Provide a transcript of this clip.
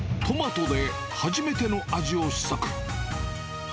トマトで初めての味を試作。